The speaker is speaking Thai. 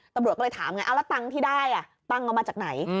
ตำรวจก็เลยถามไงเอาแล้วตังค์ที่ได้ตังค์เอามาจากไหน